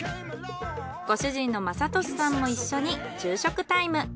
ご主人の政敏さんも一緒に昼食タイム。